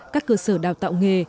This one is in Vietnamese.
các cơ sở đào tạo nghề